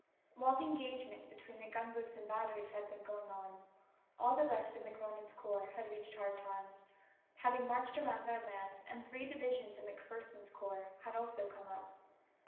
While the engagement between the gunboats and batteries had been going on, all the rest of McClernand's corps had reached Hard Times, having marched around by land, and three divisions of McPherson's corps had also come up.